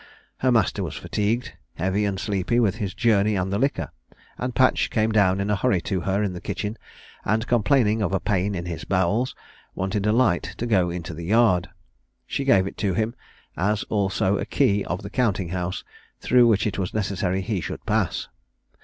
Her master was fatigued, heavy, and sleepy with his journey and the liquor; and Patch came down in a hurry to her in the kitchen, and complaining of a pain in his bowels, wanted a light to go into the yard. She gave it to him, as also a key of the counting house, through which it was necessary he should pass.